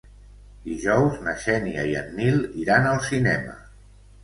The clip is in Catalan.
Dijous na Xènia i en Nil iran al cinema.